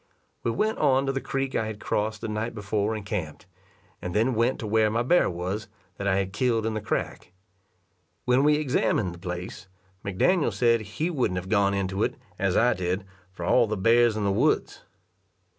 We went on to the creek I had crossed the night before and camped, and then went to where my bear was, that I had killed in the crack. When we examined the place, McDaniel said he wouldn't have gone into it, as I did, for all the bears in the woods.